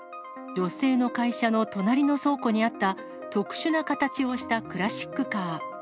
女性の会社の隣の倉庫にあった、特殊な形をしたクラシックカー。